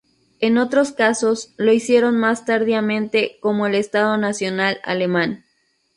En otros casos, lo hicieron más tardíamente, como el Estado Nacional alemán.